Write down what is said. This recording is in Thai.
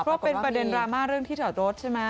เพราะเป็นประเด็นดราม่าเรื่องที่จอดรถใช่ไหม